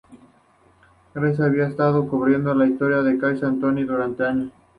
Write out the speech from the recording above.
Grace había estado cubriendo la historia de Casey Anthony durante años.